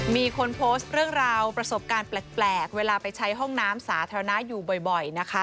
มีคนโพสต์เรื่องราวประสบการณ์แปลกเวลาไปใช้ห้องน้ำสาธารณะอยู่บ่อยนะคะ